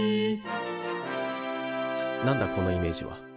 何だこのイメージは。